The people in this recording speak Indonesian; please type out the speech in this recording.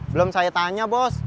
belum saya tanya bos